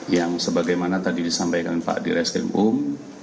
yang sebagaimana tadi disampaikan pak dirres krim um